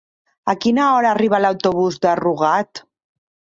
A quina hora arriba l'autobús de Rugat?